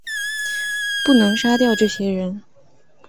不能杀掉这些人